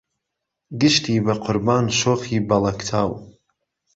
گشتی به قوربان شۆخی بهڵهکچاو